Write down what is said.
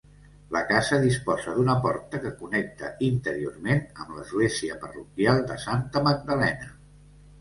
La casa disposa d'una porta que connecta interiorment amb l'església parroquial de Santa Magdalena.